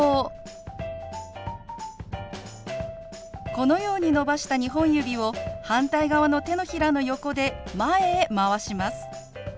このように伸ばした２本指を反対側の手のひらの横で前へ回します。